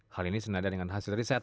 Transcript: hal ini senada dengan hasil riset